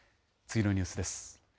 次のニュースです。